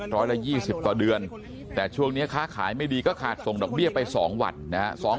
ร้อยละ๒๐ต่อเดือนแต่ช่วงนี้ค้าขายไม่ดีก็ขาดส่งดอกเบี้ยไป๒วันนะฮะ